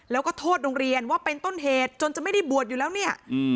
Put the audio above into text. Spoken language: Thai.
แล้วก็โทษโรงเรียนว่าเป็นต้นเหตุจนจะไม่ได้บวชอยู่แล้วเนี่ย